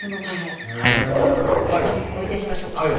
ちょっとお見せしましょうか。